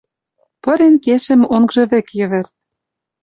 Пырен кешӹм онгжы вӹк йӹвӹрт